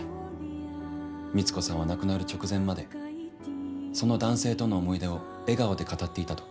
光子さんは亡くなる直前までその男性との思い出を笑顔で語っていたと。